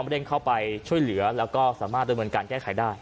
เร่งเข้าไปช่วยเหลือแล้วก็สามารถดำเนินการแก้ไขได้